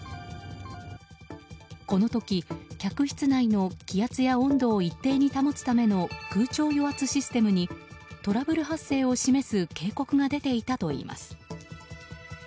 この時、客室内の気圧や温度を一定に保つための空調与圧システムにトラブル発生を示す警告が出ていたといいます。